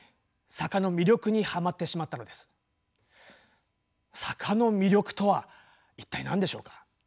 坂の魅力とは一体何でしょうか？